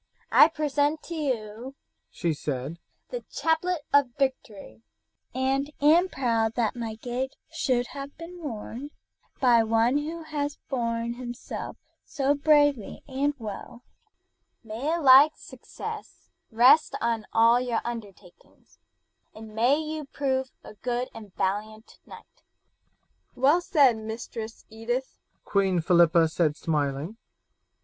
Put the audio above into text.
"I present to you," she said, "the chaplet of victory, and am proud that my gage should have been worn by one who has borne himself so bravely and well. May a like success rest on all your undertakings, and may you prove a good and valiant knight!" "Well said, Mistress Edith," Queen Philippa said smiling.